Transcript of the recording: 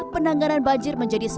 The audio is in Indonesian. penanganan banjir menjadi sebuah